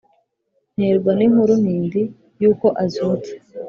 Nterwa n’inkuru ntindi Y’uko azutse